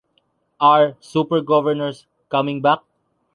Are "Super Governors" coming back?